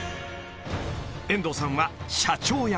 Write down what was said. ［遠藤さんは社長役］